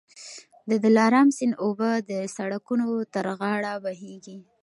د دلارام سیند اوبه د سړکونو تر غاړه بهېږي.